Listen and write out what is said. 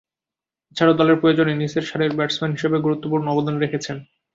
এছাড়াও, দলের প্রয়োজনে নিচের সারির ব্যাটসম্যান হিসেবেও গুরুত্বপূর্ণ অবদান রেখেছেন।